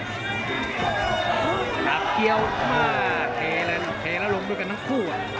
กับเกี๊ยวมากเทแล้วลงด้วยกันทั้งคู่